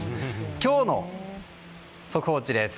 今日の速報値です。